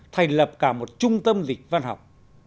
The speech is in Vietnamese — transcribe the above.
thành lập cả một trung tâm dịch văn học